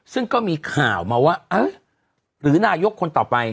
ซึ่งก็มีข่าวมาว่าหรือนายกคนต่อไป